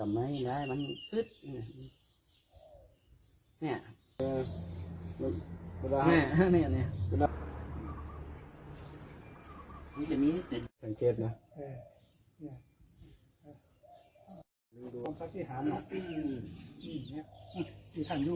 มันมันดูแหละดูแหละเนี่ยนะ